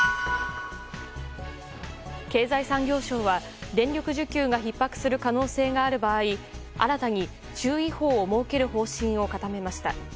経済産業省は電力需給がひっ迫する可能性がある場合新たに注意報を設ける方針を固めました。